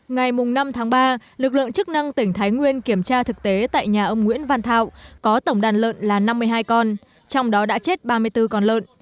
ngày năm tháng ba lực lượng chức năng tỉnh thái nguyên kiểm tra thực tế tại nhà ông nguyễn văn thảo có tổng đàn lợn là năm mươi hai con trong đó đã chết ba mươi bốn con lợn